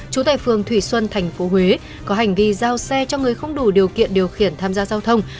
trú tại phường thủy xuân tp huế có hành vi giao xe cho người không đủ điều kiện điều khiển tham gia giao thông